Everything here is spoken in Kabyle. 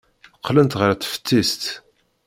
Qqlent ɣer teftist.